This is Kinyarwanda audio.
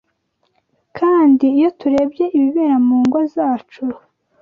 Kandi iyo turebye ibibera mu ngo zacu,